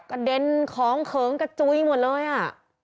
กระเด็นของเขิงกระจุยหมดเลยอ่ะ